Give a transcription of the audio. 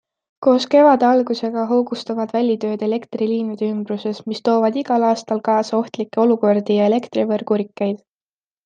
Koos kevade algusega hoogustuvad välitööd elektriliinide ümbruses, mis toovad igal aastal kaasa ohtlikke olukordi ja elektrivõrgu rikkeid.